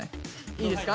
いいですか？